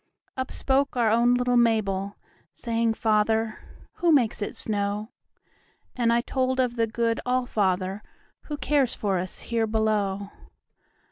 Up spoke our own little Mabel, Saying, "Father, who makes it snow?"And I told of the good All fatherWho cares for us here below.